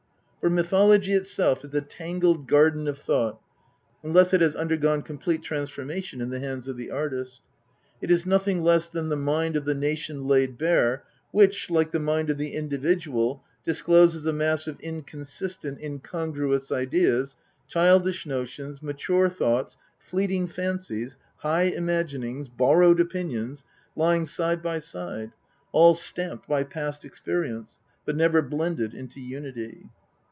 For mythology itself is a tangled garden of thought unless it has undergone complete transformation in the hands of the artist. It is nothing less than the mind of the nation laid bare, which, like the mind of the individual, discloses a mass of inconsistent, incongruous ideas, childish notions, mature thoughts, fleeting fancies, high imagin ings, borrowed opinions, lying side by side, all stamped by past experience, but never blended into unity.